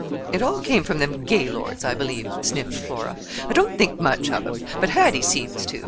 "It all came from them Gaylords, I believe," sniffed Flora. "I don't think much of 'em; but Hattie seems to.